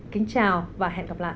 kính chào và hẹn gặp lại